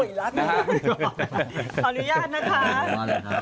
อบริญญาณนะฮะ